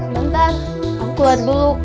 nanti aku lihat dulu